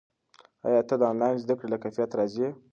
ایا ته د آنلاین زده کړې له کیفیت راضي یې؟